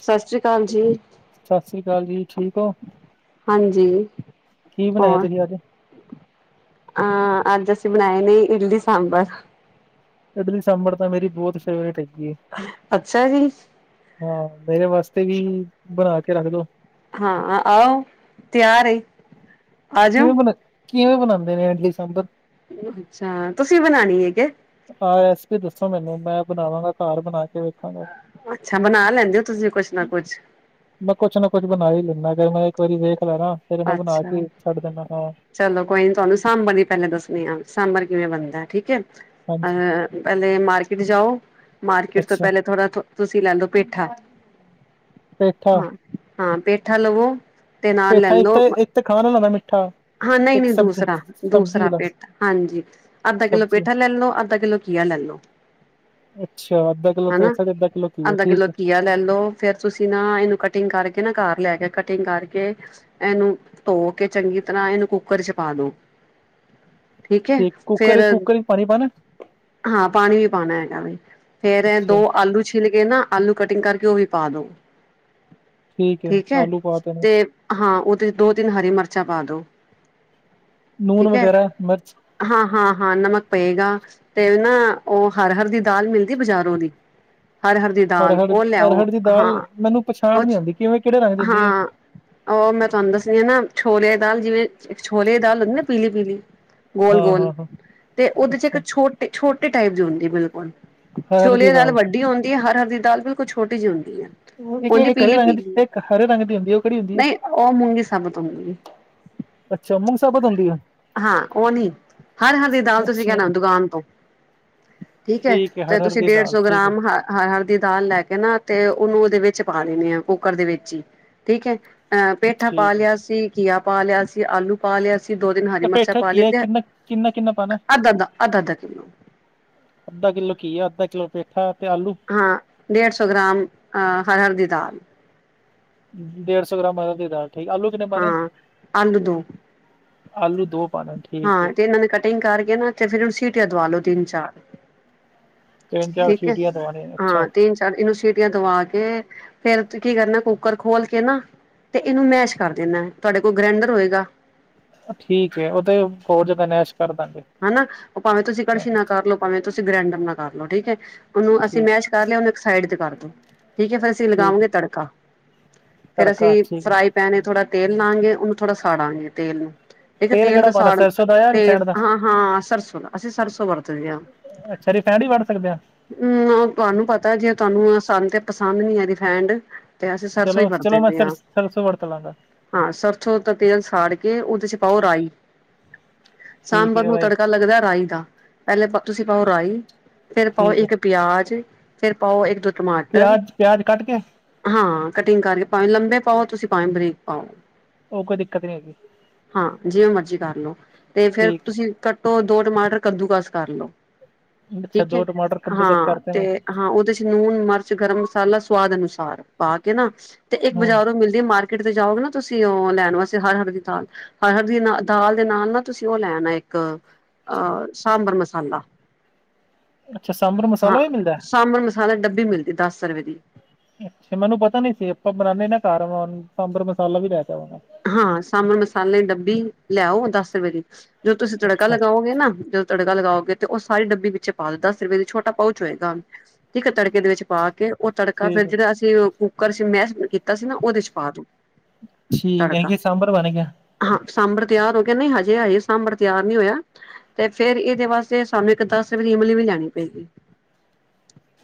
ਸਤਿ ਸ੍ਰੀ ਅਕਾਲ ਜੀ ਸਤਿ ਸ਼੍ਰੀ ਅਕਾਲ ਜੀ ਠੀਕ ਹੋ ਹਾਂਜੀ ਕੀ ਬਣਾਇਆ ਹੋਣ। ਤੁਸੀਂ ਅੱਜ ਹਾਂ ਅੱਜ ਅਸੀਂ ਬਣਾਏ ਨੇ ਇਡਲੀ ਸਾਂਬਰ ਇਡਲੀ ਸਾਂਭਰ ਤਾਂ ਮੇਰੀ ਬਹੁਤ ਫੇਵਰੇਟ ਹੈਗੀ ਹੈ। ਅੱਛਾ ਜੀ। ਹਾਂ ਮੇਰੇ ਵਾਸਤੇ ਵੀ ਬਣਾ ਕੇ ਰੱਖ ਦੋ। ਹਾਂ ਆਓ, ਤਿਆਰ ਏ। ਆ ਜਾਓ ਕਿਵੇਂ ਬਨਾ, ਕਿਵੇਂ ਬਨਾਂਦੇ ਨੇ ਇਡਲੀ ਸਾਂਭਰ? ਅੱਛਾ, ਤੁਸੀਂ ਬਨਾਨੀ ਏ ਕੇ? ਆਹ ਰੈਸਪੀ ਦੱਸੋ ਮੈਨੂੰ ਮੈਂ ਬਨਾਵਾਂਗਾ ਘਰ ਬਨਾ ਕੇ ਵੇਖਾਂਗਾ ਅੱਛਾ ਬਨਾ ਲੈਂਦੇ ਓ ਤੁਸੀਂ ਕੁਛ ਨਾ ਕੁਛ। ਮੈਂ ਕੁਛ ਨਾ ਕੁਛ ਬਨਾ ਹੀ ਲੈਂਨਾ, ਜੇ ਮੈਂ ਇੱਕ ਵਾਰੀ ਵੇਖ ਲਯਾ ਨਾ ਫੇਰ ਮੈਂ ਬਣਾ ਅੱਛਾ ਕੇ ਛੱਡ ਦੇਨਾਂ ਹਾਂ। ਚਲੋ ਕੋਈ ਨੀ ਤੁਹਾਨੂੰ ਸਾਂਬਰ ਦੀ ਪਹਲੇ ਦੱਸਨੀ ਆ, ਸਾਂਬਰ ਕਿਵੇਂ ਬਨਦਾ ਐ ਠੀਕ ਏ। ਹਾਂਜੀ ਅਹ ਪਹਿਲੇ ਮਾਰਕੀਟ ਜਾਓ, ਮਾਰਕੀਟ ਤੋਂ ਅੱਛਾ ਪਹਿਲੇ ਥੋੜਾ ਤੁਸੀਂ ਲੈ ਲੋ ਪੇਠਾ। ਪੇਠਾ। ਹਾਂ ਹਾਂ ਪੇਠਾ ਲਵੋ ਤੇ ਨਾਲ ਲੈ ਪੇਠਾ ਇੱਕ ਲਓ ਤੇ, ਇੱਕ ਤੇ ਖਾਨ ਆਲਾ ਹੋਂਦਾ ਮਿੱਠਾ। ਹਾਂ ਨਹੀਂ ਇੱਕ ਨਹੀਂ ਸਬਜ਼ੀ ਦੂਸਰਾ, ਸਬਜ਼ੀ ਦੂਸਰਾ ਵਾਲਾ ਪੇਠਾ, ਹਾਂਜੀ ਅੱਧਾ ਕਿੱਲੋ ਸਬਜ਼ੀ ਪੇਠਾ ਲੈ ਲਓ, ਅੱਧਾ ਕਿਲੋ ਘੀਆ ਲੈ ਲਓ। ਅੱਛਾ, ਅੱਧਾ ਕਿਲੋ ਹਨਾ ਪੇਠਾ ਤੇ ਅੱਧਾ ਕਿਲੋ ਘਿਆ ਅੱਧਾ ਕਿੱਲੋ ਠੀਕ ਏ। ਘੀਆ ਲੈ ਲੋ ਫੇਰ ਤੁਸੀਂ ਨਾ ਇਹਨੂੰ ਕਟਿੰਗ ਕਰਕੇ ਨਾ, ਘਰ ਲੈ ਕੇ ਕਟਿੰਗ ਕਰਕੇ ਇਹਨੂੰ ਧੋ ਕੇ ਚੰਗੀ ਤਰ੍ਹਾਂ ਇਹਨੂੰ ਕੁੱਕਰ ਚ ਪਾ ਦੋ। ਠੀਕ ਐ ਫੇਰ ਕੁੱਕਰ ਕੁੱਕਰ ਚ ਪਾਣੀ ਪਾਣਾ ਹਾਂ ਪਾਨੀ ਵੀ ਪਾਨਾ ਹੈਗਾ ਵੇ ਫੇਰ ਅੱਛਾ ਦੋ ਆਲੂ ਚ ਛਿਲ ਕੇ ਨਾ ਆਲੂ ਕਟਿੰਗ ਕਰਕੇ ਉਹ ਵੀ ਪਾ ਦੋ ਹੈ ਠੀਕ ਐ ਆਲੂ ਪਾ ਨੇ ਤੇ ਹਾਂ ਉਹਦੇ ਚ ਦੋ ਤਿੰਨ ਹਰੀ ਮਰਚਾਂ ਪਾ ਦੋ। ਨੂਨ ਠੀਕ ਹੈ ਵਗੈਰਾ ਮਰਚ ਹਾਂ, ਹਾਂ, ਹਾਂ ਨਮਕ ਪਏਗਾ। ਤੇ ਨਾ ਉਹ ਹਰ ਹਰ ਦੀ ਦਾਲ ਮਿਲਦੀ ਬਾਜ਼ਾਰੋਂ ਦੀ। ਹਰ ਹਰ ਦੀ ਦਾਲ ਅਰਹੜ ਉਹ ਲੈ ਆਓ, ਅਰਹੜ ਦੀ ਹਾਂ ਦਾਲ ਮੈਨੂੰ ਉਹ ਪਛਾਣ ਨੀ ਚ ਆਉਂਦੀ ਕਿਵੇਂ ਕਿਹੜੇ ਰੰਗ ਦੀ ਹੁੰਦੀ ਹੈ ਹਾਂ। ਓਹ ਮੈਂ ਤੁਹਾਨੂੰ ਦੱਸਨੀ ਆਂ ਨਾ, ਛੋਲੇਆਂ ਦੀ ਦਾਲ, ਜਿਵੇਂ ਛੋਲੇਆਂ ਦੀ ਦਾਲ ਹੁੰਦੀ ਨਾ ਪੀਲੀ-ਪੀਲੀ ਹਾਂ ਗੋਲ-ਗੋਲ ਹਾਂ ਹਾਂ ਤੇ ਉਹਦੇ 'ਚ ਅੱਛਾ ਇੱਕ ਛੋਟ ਛੋਟੇ ਟਾਈਪ ਦੀ ਹੁੰਦੀ ਬਿਲਕੁਲ, ਛੋਲੇਆਂ ਦੀ ਦਾਲ ਵੱਡੀ ਹੁੰ ਇਹ ਹਰ ਹਰ ਦੀ ਦਾਲ ਬਿਲਕੁਲ ਛੋਟੀ ਜੀ ਹੁੰਦੀ ਐ। [unintelligible] ਏਕ ਹਰੇ ਰੰਗ ਦੀ, ਏਕ ਹਰੇ ਰੰਗ ਦੀ ਹੁੰਦੀ ਐ, ਉਹ ਕੇੜੀ ਹੁੰਦੀ ਐ? ਨਹੀਂ ਉਹ ਮੂੰਗੀ ਸਾਬਤ ਹੁੰਦੀ ਹੈ ਅੱਛਾ ਮੁੂੰਗ ਸਾਬਤ ਹੁੰਦੀ ਐ। ਹਾਂ ਓਹ ਨੀ। ਹਰ ਹਰ ਦੀ ਦਾਲ, ਤੁਸੀਂ ਅੱਛਾ ਕਹਿਨਾਂ ਦੁਕਾਨ ਤੋਂ। ਠੀਕ ਐ ਹੈ ਤੇ ਹਰਹਰ ਤੁਸੀਂ ਦੀ ਡੇਢ ਦਾਲ ਸੌ ਠੀਕ ਹੈ ਗ੍ਰਾਮ ਹ ਹਰ-ਹਰ ਦੀ ਦਾਲ ਲੈ ਕੇ ਨਾ ਤੇ ਉਹਨੂੰ ਉਹਦੇ ਵਿੱਚ ਪਾ ਦੇਨੀ ਐ ਕੁੱਕਰ ਦੇ ਵਿੱਚ ਈ ਠੀਕ ਐ। ਅਹ ਪੇਠਾ ਪਾ ਠੀਕ ਹੈ ਲਿਆ ਸੀ, ਘੀਆ ਪਾ ਲਿਆ ਸੀ, ਆਲੂ ਪਾ ਲਿਆ ਅਸੀਂ ਦੋ ਦਿਨ ਹਰੀ ਇਹ ਮਰਚਾਂ ਪੇਠਾ ਪਾ ਲਿਆਂ ਘੀਆ ਤੇ ਕਿੰਨਾ ਕਿੰਨਾ ਕਿੰਨਾ ਪਾਉਣਾ ਅੱਧਾ-ਅੱਧਾ, ਅੱਧਾ-ਅੱਧਾ ਕਿਲੋ। ਅੱਧਾ ਕਿੱਲੋ ਘੀਆ, ਅੱਧਾ ਕਿੱਲੋ ਪੇਠਾ ਤੇ ਆਲੂ ਹਾਂ ਡੇਢ ਸੌ ਗ੍ਰਾਮ ਅ ਹਰ-ਹਰ ਦੀ ਦਾਲ। ਡੇਢ ਸੌ ਗ੍ਰਾਮ ਹਰ ਹਰ ਦੀ ਦਾਲ, ਠੀਕ ਐ ਆਲੂ ਕਿੰਨੇ ਪਾਣੇ ਨ? ਹਾਂ ਆਲੂ ਦੋ ਆਲੂ ਦੋ ਪਾਣੇ ਠੀਕ ਹੈ ਹਾਂ ਤੇ ਇਹਨਾਂ ਨੇ ਕਟਿੰਗ ਕਰਕੇ ਨਾ ਤੇ ਫਿਰ ਓਨੁ ਸੀਟੀਆਂ ਦਵਾ ਲੋ ਤਿੰਨ ਚਾਰ। ਤਿੰਨ ਚਾਰ ਠੀਕ ਐ ਸੀਟੀਆਂ ਦਵਾਣੇ ਅੱਛਾ ਹਾਂ ਤਿੰਨ ਇਹਨੂੰ ਸਿਟੀਆਂ ਦਵਾ ਕੇ ਫੇਰ ਕੀ ਕਰਨਾ? ਕੁੱਕਰ ਖੋਲ ਕੇ ਨਾ ਤੇ ਇਹਨੂੰ ਮੈਸ਼ ਕਰ ਦੇਂਨਾ ਐ, ਤੁਹਾਡੇ ਕੋਲ ਗ੍ਰੈਂਡਰ ਹੋਏਗਾ? ਠੀਕ ਐ, ਉਹ ਤੇ ਹੋਰ ਜਾਦਾ ਮੈਸ਼ ਕਰ ਦਾਂਗੇ। ਹਨਾ ਉਹ ਭਾਵੇਂ ਤੁਸੀਂ ਕੜਸ਼ੀ ਨਾ ਕਰ ਲੋ, ਭਾਵੇਂ ਤੁਸੀਂ ਗ੍ਰੈਂਡਰ ਨਾ ਕਰ ਲਓ, ਠੀਕ ਹੈ ਉਹਨੂੰ ਅਸੀਂ ਠੀਕ ਮੈਸ਼ ਕਰ ਲਿਆ ਹੁਨ ਇੱਕ ਸਾਈਡ ਤੇ ਕਰ ਦੋ, ਠੀਕ ਐ ਫੇਰ ਅਸੀਂ ਠੀਕ ਲਗਾਵਾਂਗੇ ਤੜਕਾ। ਫੇਰ ਅਸੀਂ ਤੜਕਾ ਠੀਕ ਹੈ। ਫਰਾਈ ਪੈਨ ਥੋੜਾ ਤੇਲ ਲਾਂਗੇ, ਉਹਨੂੰ ਥੋੜਾ ਸਾੜਾਂਗੇ ਤੇਲ ਨੂੰ। [unintelligible] ਤੇਲ ਕਿਹੜਾ ਤੋਂ ਪਾਉਣਾ ਸਾੜ ਸਰਸੋਂ ਦਾ ਜਾਂ ਤੇਲ ਰਿਫੈਂਡ ਦਾ ਹਾਂ ਹਾਂ, ਸਰਸੋਂ ਦਾ ਅਸੀਂ ਸਰਸੋਂ ਵਰਤਦੇ ਆ। ਅੱਛਾ ਰਿਫੈਂਡ ਹੀ ਵਰਤ ਸਕਦੇ ਹਾਂ ਨਾ ਤੁਹਾਨੂੰ ਪਤਾ ਜੇ ਤੁਹਾਨੂੰ ਸਾਨੂੰ ਤੇ ਪਸੰਦ ਨੀ ਐ ਰੀਫੈਂਡ ਤੇ ਅਸੀਂ ਸਰਸੋਂ ਈ ਚਲੋ ਵਰਤ ਚਲੋ ਮੈਂ ਦੇ ਸਰ ਆ। ਸਰਸੋਂ ਵਰਤ ਲਾਂਗਾ ਹਾਂ, ਸਰਸੋ ਦਾ ਤੇਲ ਸਾੜ ਕੇ ਉਹਦੇ ਚ ਪਾਓ ਰਾਈ ਠੀਕ ਸਾਂਬਰ ਹੈ ਨੂੰ ਰਾਈ ਤੜਕਾ ਲੱਗਦਾ ਰਾਈ ਦਾ, ਪਹਿਲੇ ਤੁਸੀਂ ਪਾਓ ਰਾਈ ਫਿਰ ਪਾਓ ਠੀਕ ਹੈ ਇੱਕ ਪਿਆਜ ਫਿਰ ਪਾਓ ਇੱਕ ਦੋ ਟਮਾਟਰ ਪਿਆਜ ਪਿਆਜ ਕੱਟ ਕੇ ਹਾਂ, ਕਟਿੰਗ ਕਰਕੇ ਪਾਵੇ ਲੰਬੇ ਪਾਓ ਤੁਸੀਂ ਪਾਵੇ ਬਰੀਕ ਪਾਓ। ਉਹ ਕੋਈ ਦਿੱਕਤ ਨਹੀਂ ਹੈਗੀ ਹਾਂ, ਜਿਵੇਂ ਮਰਜੀ ਕਰ ਲੋ ਤੇ ਫੇਰ ਠੀਕ ਤੁਸੀਂ ਕੱਟੋ ਦੋ ਟਮਾਟਰ ਕੱਦੂ ਕਸ ਕਰਲੋ ਹੈ। ਅੱਛਾ ਠੀਕ ਐ ਦੋ ਟਮਾਟਰ ਕੱਦੂਕਸ ਹਾਂ ਕਰਤੇ ਤੇ ਨੇ ਹਾਂ, ਉਹਦੇ ਚ ਨੂਣ, ਮਿਰਚ, ਗਰਮ ਮਸਾਲਾ ਸਵਾਦ ਅਨੁਸਾਰ ਪਾ ਕੇ ਨਾ ਤੇ ਇੱਕ ਹੂੰ ਬਾਜ਼ਾਰੋ ਮਿਲਦੀ ਮਾਰ ਕੀਟ ਤੇ ਜਾਓਗੇ ਨਾ ਤੁਸੀ ਓ ਲੈਣ ਵਾਸਤੇ ਹਰਹਰ ਦੀ ਦਾਲ ਹਰਹਰ ਦੀ ਦਾਲ ਦੇ ਨਾਲ ਨਾ ਤੁਸੀ ਓ ਲੈਣ ਇੱਕ ਅ ਸਾਂਬਰ ਮਸਾਲਾ ਅੱਛਾ ਸਾਂਬਰ ਹਾਂ, ਮਸਾਲਾ ਵੀ ਮਿਲਦਾ ਸਾਂਬਰ ਮਸਾਲਾ ਡੱਬੀ ਮਿਲਦੀ ਦਸ ਰੁਪਏ ਦੀ ਅੱਛਾ ਮੈਨੂੰ ਪਤਾ ਨੀ ਸੀ ਆਪਾਂ ਬਣਾਉਦੇ ਨਾ ਘਰ ਸਾਂਬਰ ਮਸਾਲਾ ਵੀ ਲੈ ਜਾਵਾਂਗਾ। ਹਾਂ, ਸਾਂਬਰ ਮਸਾਲੇ ਡੱਬੀ ਲੈ ਆਓ ਦਸ ਰੁਪਏ ਦੀ ਜਦੋ ਤੁਸੀਂ ਤੜਕਾ ਅੱਛਾ ਲਗਾਓਗੇ ਨਾ ਜੋ ਤੜਕਾ ਲਗਾਓਗੇ ਤੇ ਉਹ ਸਾਰੀ ਡੱਬੀ ਵਿੱਚ ਪਾਦੋ ਦਸ ਰੁਪਏ ਦਾ ਛੋਟਾ ਪਾਊਚ ਹੋਏਗਾ। ਠੀਕ ਆ ਤੜਕੇ ਦੇ ਵਿੱਚ ਪਾ ਕੇ ਉਹ ਤੜਕਾ ਠੀਕ ਫਿਰ ਹੈ ਜਿਹੜਾ ਅਸੀਂ ਕੁੱਕਰ ਚ ਮੈਸ਼ ਕੀਤਾ ਸੀ ਨਾ ਓਦੇ ਚ ਪਾ ਦਓ। ਠੀਕ ਐ ਕਿ ਸਾਂਬਰ ਬਣ ਗਿਆ। ਹਾਂ, ਸਾਂਬਰ ਤਿਆਰ ਹੋ ਕੇ ਨਈ ਹਜੇ ਹਜੇ ਸਾਂਬਰ ਤਿਆਰ ਨਈ ਹੋਇਆ। ਤੇ ਫੇਰ ਏਦੇ ਵਾਸਤੇ ਸਾਨੂੰ ਇੱਕ ਦਸ ਰੁਪਏ ਦੀ ਇਮਲੀ ਵੀ ਲਿਆਣੀ ਪਏਗੀ।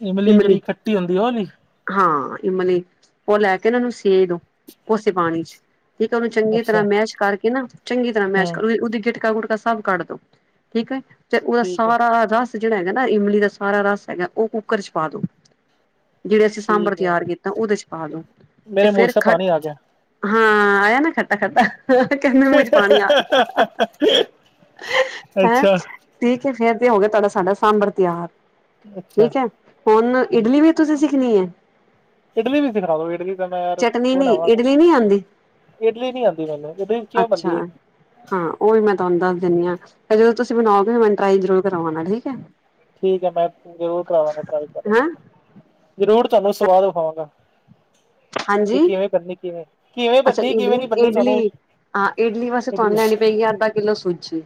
ਇਮਲੀ ਜੇੜੀ ਖੱਟੀ ਹੁੰਦੀ ਓ ਲੀ। ਹਾਂ, ਇਮਲੀ ਉਹ ਲੈ ਕੇ ਨਾਂ ਓਨੂੰ ਸੇ ਦੋ ਕੋਸੇ ਪਾਣੀ ਚ। ਫਿਰ ਤੇ ਓਨੂੰ ਚੰਗੀ ਤਰ੍ਹਾਂ ਅੱਛਾ ਮੈਸ਼ ਕਰਕੇ ਨਾ ਚੰਗੀ ਤਰ੍ਹਾਂ ਮੈਸ਼ ਹੂੰ ਕਰ ਫਿਰ ਉਦੀ ਗਿਟਕਾ ਗੁਟਕਾ ਸਭ ਕੱਢ ਦੋ ਠੀਕ ਐ ਤੇ ਓਦਾ ਠੀਕ ਹੈ ਸਾਰਾ ਰਸ ਜਿਹੜਾ ਹੈਗਾ ਨਾ ਇਮਲੀ ਦਾ ਸਾਰਾ ਰਸ ਹੈਗਾ ਉਹ ਕੁੱਕਰ ਚ ਪਾ ਦੋ ਜਿਹੜੇ ਅਸੀਂ ਸਾਂਬਰ ਠੀਕ ਤਿਆਰ ਹੈ ਕੀਤਾ ਉਹਦੇ ਚ ਪਾ ਦੋ ਤੇ ਮੇਰੇ ਫਿਰ ਖ ਹਾਂ, ਆਇਆ ਨਾ ਖੱਟਾ-ਖੱਟਾ ਕਹਿੰਦੇ ਮੂੰਹ ਚ ਪਾਣੀ ਆ ਗਿਆ ਹੈ ਅੱਛਾ ਠੀਕ ਐ ਫੇਰ ਤੇ ਹੋ ਗਿਆ ਤੁਹਾਡਾ ਸਾਡਾ ਸਾਂਬਰ ਤਿਆਰ ਅੱਛਾ ਠੀਕ ਐ ਹੁਣ ਇਡਲੀ ਵੀ ਤੁਸੀਂ ਸਿੱਖਣੀ ਏ। ਇਡਲੀ ਵੀ ਸਿਖਾਦੋ, ਇਡਲੀ ਤਾਂ ਮੈਂ ਯਾਰ ਚਟਨੀ ਨੀ ਬਣਾਵਾਂਗਾ, ਇਡਲੀ ਨੀ ਆਉਂਦੀ ਇਡਲੀ ਨੀ ਆਂਦੀ ਮੈਨੂੰ। ਇਡਲੀ ਕਿਵੇਂ ਅੱਛਾ। ਬਣਦੀ ਹੈ ਹਾਂ, ਉਹ ਵੀ ਮੈਂ ਤੁਹਾਨੂੰ ਦੱਸ ਦਿੰਨੀ ਆਂ ਜਦੋਂ ਤੁਸੀਂ ਬਣਾਓਗੇ ਮੈਨੂੰ ਟਾ੍ਈ ਜਰੂਰ ਕਰਵਾਨਾ ਠੀਕ ਐ। ਠੀਕ ਐ ਮੈਂ ਜ਼ਰੂਰ ਕਰਾਵਾਂਗਾ ਟਰਾਈ ਤੂਹਾਡੇ ਕੋ, ਹੈਂ ਜ਼ਰੂਰ ਤੁਹਾਨੂੰ ਸਵਾਦ ਵਖਾਵਾਂਗਾ। ਹਾਂਜੀ, ਕਿਵੇਂ ਕਿਵੇਂ ਅੱਛਾ ਬਣਨੀ ਕਿਵੇਂ ਇਡਲੀ, ਨੀ ਬਣਨੀ ਤੁਹਾਨੂੰ ਇਡਲੀ ਹਾਂ ਇਡਲੀ ਵਾਸ ਤੇ ਤੁਹਾਨੂੰ ਲੈਣੀ ਪਏਗੀ ਅੱਧਾ ਕਿੱਲੋ ਸੂਜੀ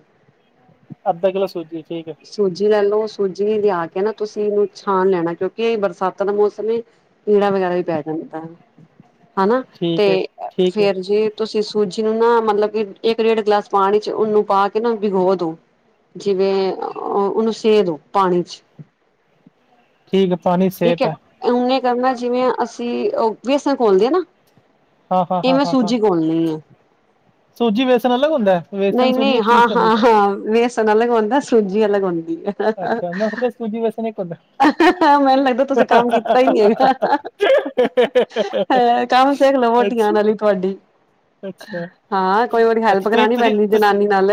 ਅੱਧਾ ਕਿਲੋ ਸੂਜੀ ਠੀਕ ਐ। ਸੂਜੀ ਲੈ ਲਓ, ਸੂਜੀ ਲਿਆ ਕੇ ਨਾ ਤੁਸੀ ਓਨੂੰ ਛਾਣ ਲੈਣਾ ਕਿਉਂਕਿ ਇਹ ਬਰਸਾਤਾਂ ਦਾ ਮੌਸਮ ਐ। ਕੀੜਾ ਵਗੈਰਾ ਵੀ ਪੈ ਜਾਂਦਾ ਐ ਹਨਾ ਤੇ ਠੀਕ ਹੈ ਠੀਕ ਹੈ ਫੇਰ ਜੀ ਤੁਸੀਂ ਸੂਜੀ ਨੂੰ ਨਾ ਮਤਲਬ ਕਿ ਇੱਕ ਡੇਢ ਗਲਾਸ ਪਾਣੀ ਚ ਉਹਨੂੰ ਪਾ ਕੇ ਨਾ ਭਿਗੋ ਦੋ ਜਿਵੇਂ ਓਨੂੰ ਸੇ ਦੋ ਪਾਣੀ ਚ ਠੀਕ ਪਾਣੀ ਸਿਹਤ ਹੈ। ਈਉ ਨੇ ਕਰਨਾ ਜਿਵੇਂ ਅਸੀਂ ਓ ਵੇਸਣ ਘੋਲਦੇ ਆ ਨਾ। ਹਾਂ ਹਾਂ ਹਾਂ ਇਵੇੈਂ ਹਾਂ ਹਾਂ ਸੂਜੀ ਘੋਲਣੀ ਐ। ਸੂਜੀ ਵੇਸਣ ਅਲੱਗ ਹੁੰਦਾ ਐ। ਨਈ-ਨਈ, ਹਾਂ-ਹਾਂ-ਹਾਂ ਵੇਸਨ ਅਲਗ ਹੁੰਦਾ, ਸੂਜੀ ਅਲਗ ਹੁੰਦੀ ਐ। ਅੱਛਾ, ਮੈਂ ਸੋਚਿਆ ਸੂਜੀ ਵੈਸਨ ਇਕ ਹੁੰਦਾ। ਹਾਂ ਮੈਨੂੰ ਲੱਗਦਾ ਤੁਸੀਂ ਕੰਮ ਕੀਤਾ ਈ ਨਈ ਹੈਗਾ ਹੈ। ਕੰਮ ਸਿੱਖ ਲਵੋ ਵੋਟੀ ਅੱਛਾ ਆਂਣ ਆਲੀ ਤੁਹਾਡੀ। ਅੱਛਾ- ਹਾਂ ਕੋਈ ਵਾਰੀ ਹੈਲਪ ਅੱਛਾ ਤੁ ਫਿਰ ਕਰਾਣੀ ਤੁਸੀਂ ਪੈਂਦੀ ਤੁਸੀਂ ਜਨਾਨੀ ਨਾਲ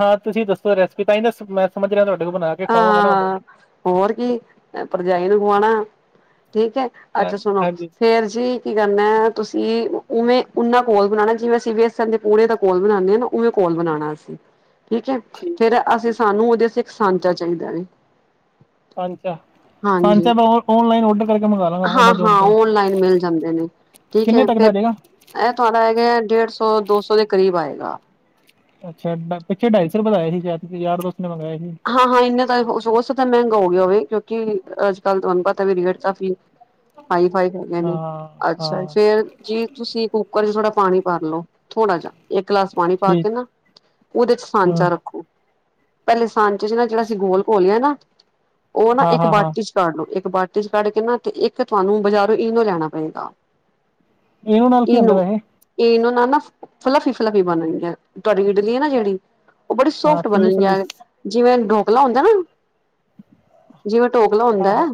ਹਾਂ ਤੁਸੀਂ ਦੱਸੋ ਰੈਸਪੀ ਤਾਂ ਦੱਸ ਮੈਂ ਸਮਝ ਰਿਹਾ ਤੁਹਾਡੇ ਬਣਾ ਕੇ ਖਵਾਵਾਂਗਾ ਨਾ ਉਹਨੂੰ ਹਾਂ-ਹਾਂ ਹੋਰ ਕੀ ਭਰਜਾਈ ਨੂੰ ਖਵਾਣਾ ਠੀਕ ਹੈ। ਹਾਂ ਅੱਛਾ ਸੁਣੋ ਹਾਂਜੀ ਫੇਰ ਜੀ। ਕੀ ਕਰਨਾ ਤੁਸੀਂ ਉਵੇਂ ਉਨਾ ਘੋਲ ਬਣਾਣਾ ਜਿਵੇਂ ਅਸੀਂ ਬੇਸਣ ਦੇ ਪੂੜ ਦਾ ਘੋਲ ਬਣਾਨੇ ਆ ਨਾ ਉਵੇਂ ਘੋਲ ਬਣਾਣਾ ਅਸੀ ਠੀਕ ਹੈ ਠੀਕ ਹੈ ਫੇਰ ਅਸੀਂ ਠੀਕ ਹੈ। ਸਾਨੂੰ ਉਹਦੇ ਆਸਤੇ ਇੱਕ ਸਾਂਚਾ ਚਾਹੀਦਾ ਏ। ਸਾਂਚਾ ਸਾਂਚਾ ਮੈਂ ਓਨਲਾਈਨ ਓਡਰ ਕਰਕੇ ਮੰਗ ਲਾਂਗਾ ਐਮਾਜੋਨ ਹਾਂ-ਹਾਂ ਤੋਂ ਓਨਲਾਈਨ ਮਿਲ ਜਾਂਦੇ ਨੇ ਠੀਕ ਕਿੰਨੇ ਹੈ ਤੱਕ ਦਾ ਫਿਰ ਆ ਜਾਏਗਾ। ਇਹ ਤੁਹਾਡਾ ਹੈਗਾ ਡੇਢ ਸੌ ਦੋ ਸੌ ਦੇ ਕਰੀਬ ਆਏਗਾ। ਅੱਛਾ ਪਿੱਛੇ ਢਾਈ ਸੌ ਆਇਆ ਸੀ ਯ ਯਾਰ ਦੋਸਤ ਨੇ ਮੰਗਾਇਆ ਸੀ। ਹਾਂ-ਹਾਂ ਇੰਨਾ ਤਾਂ ਹੋੋ ਸਕਤਾ ਮਹਿੰਗਾ ਹੋ ਗਿਆ ਹੋਵੇ ਕਿਉਂਕਿ ਅੱਜ ਕੱਲ ਤੁਹਾਨੂੰ ਪਤਾ ਵੀ ਰੇਟ ਕਾਫੀ ਹਾਈ ਫਾਈ ਹੈਗੇ ਨੇ ਹਾਂ ਅੱਛਾ ਹਾਂ ਫੇਰ ਜੀ। ਤੁਸੀਂ ਕੁੱਕਰ 'ਚ ਥੋੜਾ ਪਾਣੀ ਭਰ ਲਓ ਥੋੜਾ ਜਿਹਾ ਇੱਕ ਗਲਾਸ ਪਾਣੀ ਪਾ ਕੇ ਠੀਕ ਨਾ ਉਹਦੇ 'ਚ ਹਾਂ ਸਾਂਚਾ ਰੱਖੋ ਪਹਿਲੇ ਹਾਂਜੀ ਜਿਹੜਾ ਅਸੀਂ ਗੋਲ ਘੋਲਿਆ ਨਾ ਉਹ ਨਾ ਹਾਂ ਇੱਕ ਹਾਂ ਹਾਂ ਬਾਟੀ 'ਚ ਕੱਢ ਲਓ ਇੱਕ ਬਾਟੀ 'ਚ ਕੱਢ ਕੇ ਨਾ ਤੇ ਇੱਕ ਤੁਹਾਨੂੰ ਬਾਜ਼ਾਰੋਂ ਇਨੂੰ ਲੈਣਾ ਪਏਗਾ। ਇਨੋ ਨਾਲ ਕੀ ਹੁੰਦਾ ਵੈਹੇ ਇਨੋ ਨਾਲ ਨਾ ਫਲਫ਼ੀ-ਫਲਫ਼ੀ ਬਣਨਗੀਆਂ ਤੁਹਾਡੀ ਇਡਲੀ ਹੈ ਨਾ ਜਿਹੜੀ ਉਹ ਬੜੀ ਹਾਂ ਸੋਫਟ ਫੁੱਲੀ ਫੁੱਲੀ ਬਣਨਗੀਆਂ ਜਿਵੇਂ ਢੋਕਲਾ ਹੁੰਦਾ ਨਾ ਜਿਵੇਂ ਟੋਕਲਾ ਹਾਂ ਹੁੰਦਾ ਹੈ ਹਾਂ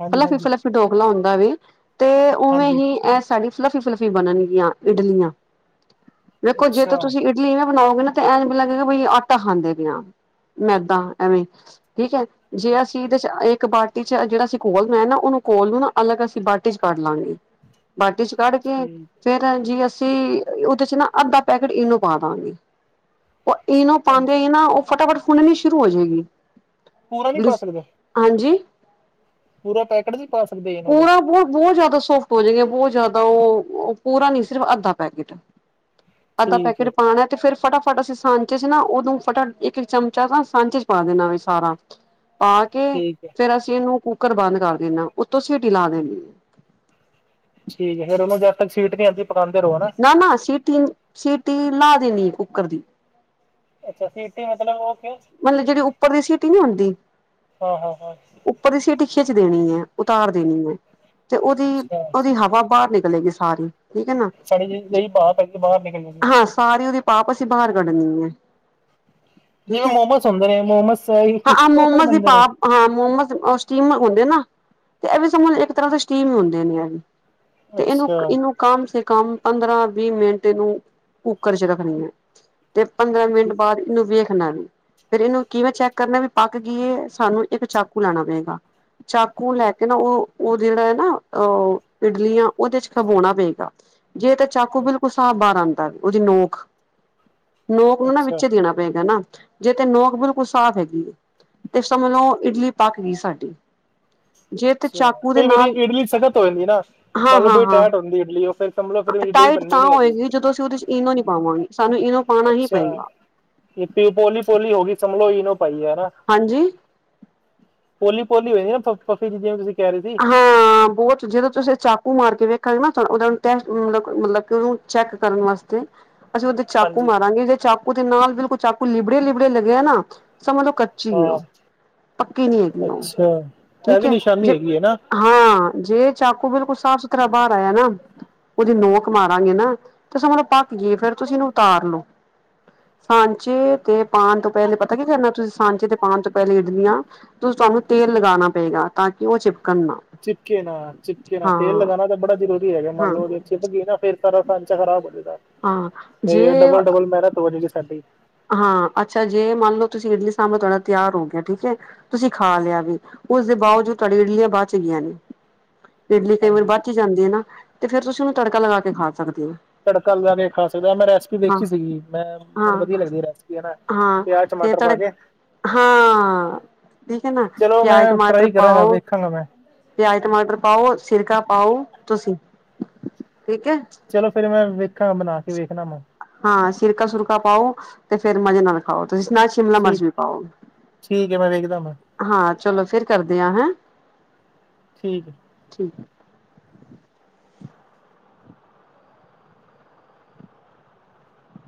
ਹਾਂਜੀ ਫਲਫੀ- ਹਾਂਜੀ ਫਲਫੀ ਟੋਕਲਾ ਹੁੰਦਾ ਵੇ। ਤੇ ਉਵੇਂ ਹਾਂਜੀ ਹੀ ਇਹ ਸਾਡੀ ਫਲੱਫ਼ੀ- ਫਲਫੀ ਬਣਨਗੀਆਂ ਇਡਲੀਆਂ ਦੇਖੋ ਜੇ ਤ ਅੱਛਾ ਤੁਸੀਂ ਇਡਲੀਆ ਨ ਬਣਾਓਗੇ ਨਾ ਤਾਂ ਐਂ ਲਗੇਗਾ ਆਟਾ ਖਾਂਦੇ ਪਏ ਆਂ। ਮੈਦਾ ਐਵੇਂ ਠੀਕ ਹੈ ਜੇ ਅਸੀਂ ਇਹਦੇ 'ਚ ਇਹ ਇੱਕ ਬਾਟੀ 'ਚ ਜਿਹੜਾ ਅਸੀਂ ਘੋਲ ਮੈਂ ਨਾ ਉਹਨੂੰ ਘੋਲ ਨੂੰ ਨਾ ਅਲਗ ਅਸੀਂ ਬਾਟੀ 'ਚ ਕੱਢ ਲਾਂਗੇ। ਬਾਟੀ 'ਚ ਕੱਢ ਕੇ ਠੀਕ ਫੇਰ ਜੀ ਅਸੀਂ ਉਹਦੇ 'ਚ ਨਾ ਅੱਧਾ ਪੈਕੇਟ ਇਨੋ ਪਾ ਦਾਂਗੀ। ਉਹ ਇਨੋ ਪਾਂਦੇ ਹੀ ਨਾ ਉਹ ਫਟਾਫਟ ਫੁਲਨੀ ਸ਼ੁਰੂ ਹੋ ਜਾਏਗੀ। ਪੂਰਾ ਨਹੀਂ ਪਾ ਸਕਦੇ। ਹਾਂਜੀ ਪੂਰਾ ਪੈਕਟ ਨਹੀਂ ਪਾ ਸਕਦੇ ਇਹਨਾਂ ਦਾ ਪੂਰਾ ਬਹੁਤ - ਬਹੁਤ ਜ਼ਿਆਦਾ ਸੋਫਟ ਹੋ ਜਾ ਬਹੁਤ ਜ਼ਿਆਦਾ ਉਹ ਪੂਰਾ ਨਹੀ ਸਿਰਫ ਅੱਧਾ ਪੈਕੇਟ ਅੱਧਾ ਠੀਕ ਪੈਕੇਟ ਹੈ ਪਾਉਣਾ ਤੇ ਫ਼ਿਰ ਫਟਾਫਟ ਅਸੀਂ ਸਾਂਚੇ 'ਚ ਨਾ ਉਹਨੂੰ ਫਟਾ ਇੱਕ ਚਮਚਾ ਤਾਂ ਸਾਂਝੇ 'ਚ ਪਾ ਦੇਣਾ ਵ ਸਾਰਾ ਪਾ ਕੇ ਠੀਕ ਹੈ ਫੇਰ ਅਸੀਂ ਇਹਨੂੰ ਕੁੱਕਰ ਬੰਦ ਕਰ ਦੇਣਾ ਉੱਤੋਂ ਸੀਟੀ ਲਾ ਦੇਣੀ। ਠੀਕ ਏ ਫੇਰ ਉਹਨੂੰ ਜਦ ਤੱਕ ਸੀਟੀ ਨੀ ਆਂਦੀ ਪਕਾਉਂਦੇ ਰੋ ਨਾ। ਸਿਟੀ ਲਾਂ ਦੇਣੀ ਕੂਕਰ ਦੀ ਅੱਛਾ ਸੀਟੀ ਮਤਲਬ ਓ ਕੇ ਮਤਲਬ ਜਿਹੜੀ ਉੱਪਰ ਦੀ ਸੀਟੀ ਨਹੀਂ ਹੁੰਦੀ। ਹਾਂ- ਹਾਂ- ਹਾਂ ਉੱਪਰ ਸਿਟੀ 'ਚ ਦੇਣੀ ਹੈ ਉਤਾਰ ਦੇਣੀ ਹੈ ਤੇ ਉਹਦੀ ਅੱਛਾ ਉਹਦੀ ਹਵਾ ਬਾਹਰ ਨਿਕਲੇਗੀ। ਸਾਰੀ ਠੀਕ ਹੈ ਨਾ ਸਾਡੀ ਜਹੀ ਪਾ ਪੈ ਬਾਹਰ ਨਿਕਲ ਜਾਦੀ ਸਾਰੇ ਉਹਦੀ ਪਾਪ ਅਸੀਂ ਬਾਹਰ ਕੱਢਣੀ ਹੈ ਠੀਕ ਜਿਵੇਂ ਹੈ ਮੋਮੋਸ ਹੁੰਦੇ ਨੇ ਮੋਮਸ ਹਾਂ ਆਹ ਇੱਕੋ ਫਿਰ ਮੋਮਜ਼ ਹੀ ਬੰਦੇ ਨੇ ਪਾਫ ਹਾਂ ਮੋਮੋਸ ਸਟੀਮ ਹੁੰਦੇ ਨਾ ਤੇ ਇਹ ਵੀ ਸਮਝ ਇੱਕ ਤਰ੍ਹਾਂ ਦੇ ਸਟੀਮ ਹੁੰਦੇ ਨੇ ਐ। ਤੇ ਇਹਨੂੰ ਅੱਛਾ ਇਹਨੂੰ ਕਮ ਸੇ ਕਮ ਪੰਦਰਾਂ ਵੀਹ ਮਿੰਟ ਇਹਨੂੰ ਕੁੱਕਰ 'ਚ ਰੱਖਣੀ ਹੈ। ਤੇ ਪੰਦਰਾਂ ਮਿੰਟ ਠੀਕ ਬਾਅਦ ਇਹਨੂੰ ਵੇਖਣਾ ਫ਼ਿਰ ਇਹਨੂੰ ਕਿਵੇਂ ਚੈੱਕ ਕਰਨਾ ਵੀ ਪੱਕ ਗਈ ਏ ਸਾਨੂੰ ਇੱਕ ਚਾਕੂ ਲਾਣਾ ਪਏਗਾ। ਚਾਕੂ ਲੈ ਕੇ ਨਾ ਉਹ- ਉਹ ਜਿਹੜਾ ਹੈ ਨਾ ਉਹ ਇਡਲੀਆ ਉਹਦੇ 'ਚ ਭਿਗਾਉਣਾ ਪਏਗਾ ਜੇ ਉਹਦੀ ਨੋਕ- ਨੋਕ ਨੂੰ ਨਾ ਅੱਛਾ ਵਿੱਚ ਦੇਣਾ ਪਏਗਾ ਨਾ। ਜੇ ਤੇ ਨੋਕ ਬਿਲਕੁਲ ਸਾਫ਼ ਹੈਗੀ ਹੈ ਤੇ ਲੋ ਇਡਲੀ ਪੱਕ ਗਈ ਸਾਡੀ ਜੇ ਤੇ ਅੱਛਾ ਚਾਕੂ ਦੇ ਕਈ ਵਾਰੀ ਨਾਲ ਇਡਲੀ ਸਖ਼ਤ ਹੋ ਜਾਂਦੀ ਨਾ ਹਾਂ ਮੰਨ ਲਓ ਹਾਂ ਬਈ ਹਾਂ ਟੈਟ ਹੁੰਦੀ ਇਡਲੀ ਉਹ ਫਿਰ ਤਾਂਲ ਫਿਰ ਇਡਲੀ ਵੀ ਟਾਈਟ ਬੰਨੀ ਤਾਂ ਨੀ ਹੈਗੀ ਹੋਏਗੀ ਜਦੋਂ ਅਸੀਂ ਉਹਦੇ ਚ ਇਨੋ ਨੀ ਪਾਵਾਂਗੇ ਸਾਨੂੰ ਇਹਨੂੰ ਅੱਛਾ ਇਹ ਪਿਓ ਪੋਲੀ ਪੋਲੀ ਹੋ ਗਈ ਸਮਜ ਲੋ ਪਾਈ ਹੈ ਹਨਾ। ਹਾਂਜੀ ਪੋਲੀ ਪੋਲੀ ਹੋਦੀ ਨਾ ਪਫ਼ੀ ਜਿਵੇਂ ਤੁਸੀਂ ਕਹਿ ਰਹੇ ਸੀ ਹਾਂ ਬਹੁਤ ਜਦੋਂ ਤੁਸੀਂ ਚਾਕੂ ਮਾਰ ਕੇ ਵੇਖਾਂਗੇ ਨਾਓ ਟੈਸ ਮਤਲਬ ਮਤਲਬ ਕਿ ਉਹਨ ਚੈੱਕ ਕਰਨ ਵਾਸਤੇ ਅਸੀਂ ਉਹਦੇ ਚਾਕੂ ਹਾਂਜੀ ਮਾਰਾਂਗੇ ਜੇ ਚਾਕੂ ਦੇ ਨਾਲ ਬਿਲਕੁਲ ਚਾਕੂ ਲਿਬੜੇ ਲਿਬੜੇ ਲੱਗੇਿਆ ਨਾ ਸਮਝ ਲਓ ਕੱਚੀ ਹਾਂ ਉਹ ਪੱਕੀ ਨਹੀਂ ਹੈਗੀ ਉਹ ਅੱਛਾ ਇਹ ਠੀਕ ਵੀ ਹੈ ਜੇ ਨਿਸ਼ਾਨੀ ਹੈਗੀ ਹੈ ਨਾ ਹਾਂ ਜੇ ਚਾਕੂ ਬਿਲਕੁਲ ਸਾਫ਼ ਸੁਥਰਾ ਬਾਹਰ ਆਇਆ ਨਾ ਉਹਦੀ ਨੋਕ ਮਾਰਾਂਗੇ ਨਾ ਤੇ ਸਮਜੋ ਪੱਕ ਗਏ ਫੇਰ ਤੁਸੀਂ ਇਹਨੂੰ ਉਤਾਰ ਲਓ ਸਾਂਚੇ ਤੇ ਪਾਉਣ ਤੋਂ ਪਹਿਲੇ ਪਤਾ ਕੀ ਕਰਨਾ ਤੁਸੀਂ ਸਾਂਚੇ ਤੇ ਪਾਉਣ ਤੋਂ ਪਹਿਲੇ ਇੱਡਲੀਆ ਤੁਹਾਨੂੰ ਤੇਲ ਲਗਾਉਣਾ ਪਏਗਾ ਤਾਂ ਕਿ ਉਹ ਚਿਪਕਣ ਨਾ ਚਿਪਕੇ ਨਾ ਚਿਪਕੇ ਨਾ ਹਾਂ ਤੇਲ ਲਗਾਉਣਾ ਤਾਂ ਬੜਾ ਜ਼ਰੂਰੀ ਹੈਗਾ ਮੰਨ ਹਾਂ ਲਓ ਉਹਦੇ ਚਿਪ ਗਈ ਨਾ ਫਿਰ ਸਾਂਚਾ ਖ਼ਰਾਬ ਹੋ ਜਾਂਦਾ ਹਾਂ ਤੇ ਜੇ ਡਬਲ ਡਬਲ ਮਿਹਨਤ ਹੋ ਜਗੀ ਹਾਂ ਅੱਛਾ ਜੀ ਮੰਨ ਲਓ ਤੁਸੀਂ ਇੰਡੀਆ ਸਾਮ ਤੁਹਾਡਾ ਤਿਆਰ ਹੋ ਗਿਆ ਠੀਕ ਹ ਤੁਸੀਂ ਖਾ ਲਿਆ ਵੀ ਉਸਦੇ ਬਾਵਜੂਦ ਤੁਹਾਡੇ ਇਡਲੀਆਂ ਬਾਅਦ ਚ ਗਈਆਂ ਨੇ ਇਡਲੀ ਕਈ ਵਾਰੀ ਹਾਂਜੀ ਵੱਧ ਹੀ ਜਾਂਦੀ ਹੈ ਨਾ ਤੇ ਫਰ ਤੁਸੀਂ ਉਹਨੂੰ ਤੜਕਾ ਲਗਾ ਕੇ ਖਾ ਸਕਦੇ ਹੋ ਤੜਕਾ ਲਗਾ ਕੇ ਖਾ ਸਕਦਾ ਮੈਂ ਰੈਸਪੀ ਹਾਂ ਦੇਖੀ ਸੀਗੀ ਮੈਂ ਮੈਨੂੰ ਹਾਂ ਵਧੀਆ ਲੱਗਦੀ ਰੈਸਪੀ ਹੈ ਨਾ ਹਾਂ ਪਿਆਜ ਤੇ ਟਮਾਟਰ ਪਾ ਤੜਕ ਕੇ ਹਾਂ ਠੀਕ ਹੈ ਨਾ ਚਲੋ ਮੈਂ ਪਿਆਜ ਟਮਾਟਰ ਟਰਾਈ ਕਰਾਂਗਾ ਪਾਓ ਵੇਖਾਂਗਾ ਮੈਂ ਪਿਆਜ਼ ਟਮਾਟਰ ਪਾਓ ਸਿਰਕਾ ਪਾਓ ਤੁਸੀਂ ਠੀਕ ਹੈ ਚਲੋ ਫੇਰ ਮੈਂ ਵੇਖਾਂ ਬਣਾ ਕੇ ਵੇਖਣਾ ਮੈਂ ਹਾਂ ਸਿਰਕਾ ਸੁਰਕਾ ਪਾਓ ਤੇ ਫੇਰ ਮਜ਼ੇ ਨਾਲ ਖਾਓ ਤੁਸੀਂ ਸ਼ਿਮਲਾ ਮਰਚ ਠੀਕ ਵੀ ਪਾਓ ਠੀਕ ਹੈ ਮੈਂ ਵੇਖਦਾ ਮੈਂ ਹਾਂ ਚਲੋ ਫਿਰ ਕਰਦੇ ਆ ਹੈਂ ਠੀਕ ਹੈ ਠੀਕ